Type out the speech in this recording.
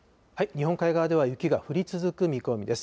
日本海側では雪が降り続く見込みです。